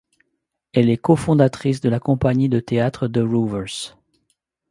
Elle est co-fondatrice de la compagnie de théâtre De Roovers.